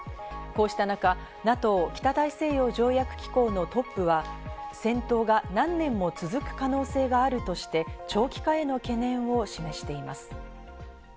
こうした中、ＮＡＴＯ＝北大西洋条約機構のトップは戦闘が何年も続く可能性があるとして長期化への懸念を示しています。